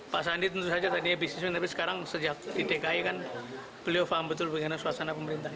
pak sandi tentu saja tadinya bisnismen tapi sekarang sejak di dki kan beliau paham betul bagaimana suasana pemerintah